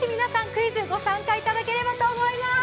クイズご参加いただければと思います。